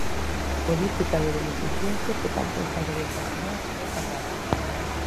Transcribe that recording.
Política de beneficencia que tanto enfadou esta mañá ao señor Cadrado.